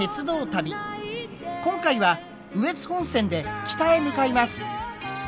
今回は羽越本線で北へ向かいます。